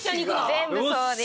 全部そうです。